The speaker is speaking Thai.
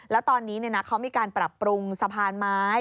แล้วตอนนี้เขามีการปรับปรุงสะพานไม้